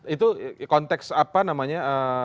itu konteks apa namanya